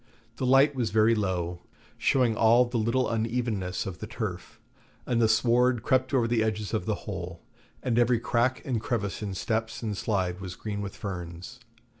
The light was very low, showing all the little unevennesses of the turf; and the sward crept over the edges of the hole, and every crack and crevice in steps and slide was green with ferns.